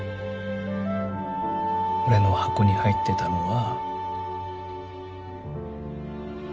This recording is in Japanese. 俺の箱に入ってたのは。